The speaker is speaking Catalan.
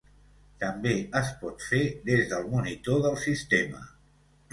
També es pot fer des del monitor del sistema.